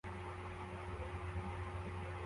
Umuryango wicaye hanze yububiko